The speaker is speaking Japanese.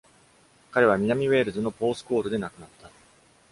彼は南ウェールズのポースコールで亡くなった。